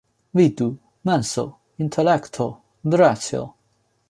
Vidu: menso, intelekto, racio.